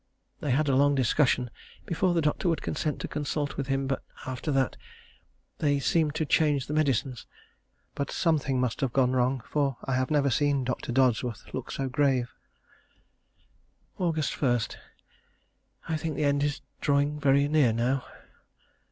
They had a long discussion before the doctor would consent to consult with him, but after that, they seemed to change the medicines. But something must have gone wrong, for I have never seen Dr. Dodsworth look so grave. Aug. 1. I think the end is drawing very near now.